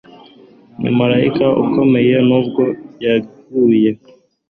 Ni marayika ukomeye, n'ubwo yaguye.